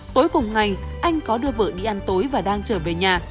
tối cùng ngày anh có đưa vợ đi ăn tối và đang trở về nhà